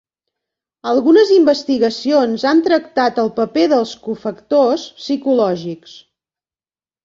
Algunes investigacions han tractat el paper dels cofactors psicològics.